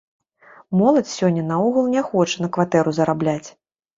Моладзь сёння наогул не хоча на кватэру зарабляць.